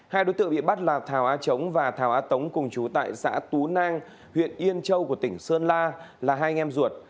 hai đối tượng bị bắt là thảo a trống và thảo á tống cùng chú tại xã tú nang huyện yên châu của tỉnh sơn la là hai anh em ruột